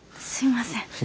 すいません。